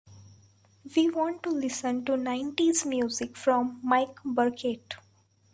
We want to listen to nineties music from mike burkett.